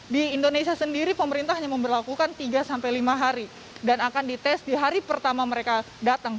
di indonesia sendiri pemerintah hanya memperlakukan tiga sampai lima hari dan akan dites di hari pertama mereka datang